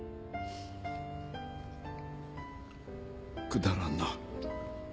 くだらんな。